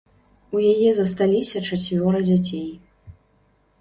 У яе засталіся чацвёра дзяцей.